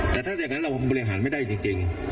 แต่ถ้าอย่างนั้นเราบริหารไม่ได้จริง